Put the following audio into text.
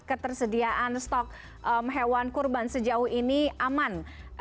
ketersediaan stok hewan kurban sejauh ini aman